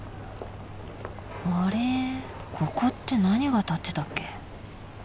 あれここって何が立ってたっけ